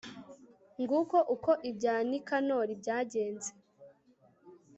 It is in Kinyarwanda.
nguko uko ibya nikanori byagenze